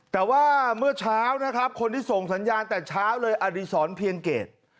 แต่ว่าเมื่อเช้านะครับคนที่ส่งสัญญาณแต่เช้าเลยอดีศรเพียงเกต